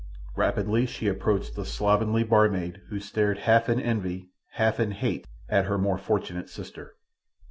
Rapidly she approached the slovenly barmaid who stared half in envy, half in hate, at her more fortunate sister.